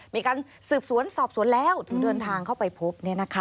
มีการสืบสวนสอบสวนแล้วถึงเดินทางเข้าไปพบ